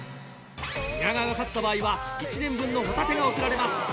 宮川が勝った場合は１年分のホタテが贈られます。